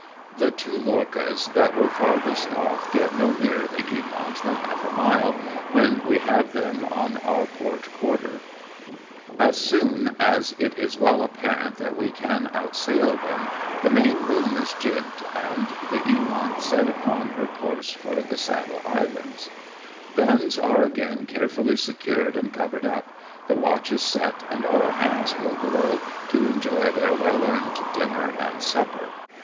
The two lorchas that were farthest off get no nearer the Eamont than half a mile, when we have them on our port quarter. As soon as it is well apparent that we can outsail them, the main boom is gibed and the Eamont set upon her course for the Saddle Islands. WE LEAVE NIEWCHWANG. 55 Guns are again carefully secured and covered up, the watch is set and all hands go below to enjoy their well earned dinner and supper.